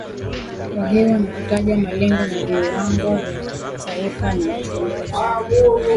wa hewa na kutaja malengo na viwango vya kitaifa na kuchunguza